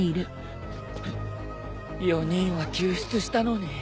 ４人は救出したのに。